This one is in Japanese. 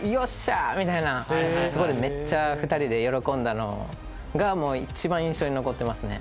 そこでめっちゃ２人で喜んだのがもう一番印象に残ってますね。